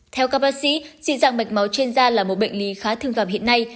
theo các bác sĩ dị dạng mạch máu trên da là một bệnh lý khá thường gặp hiện nay